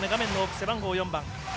背番号４番。